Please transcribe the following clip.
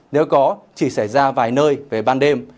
nếu có chỉ xảy ra vài nơi về ban đêm